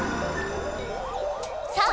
さあ！